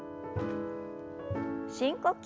深呼吸。